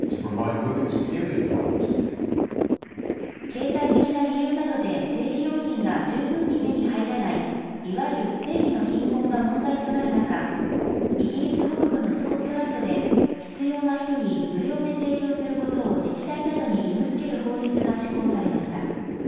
経済的な理由などで生理用品が十分に手に入らない、いわゆる生理の貧困が問題となる中、イギリス北部のスコットランドで、必要な人に無料で提供することを自治体などに義務づける法律が施行されました。